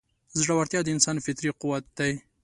زړهورتیا د انسان فطري قوت دی.